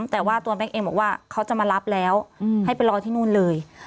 แต่ว่าตัวแม็กซ์เองบอกว่าเขาจะมารับแล้วให้ไปรอที่นู่นเลย